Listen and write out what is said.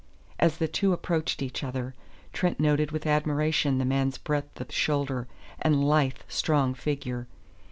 As the two approached each other, Trent noted with admiration the man's breadth of shoulder and lithe, strong figure.